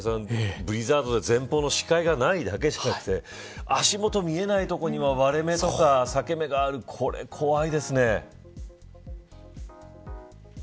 ブリザードで前方の視界がないだけじゃなくて足元見えない所には割れ目や裂け目があるそうですね。